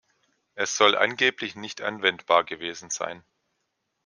Es soll angeblich nicht anwendbar gewesen sein.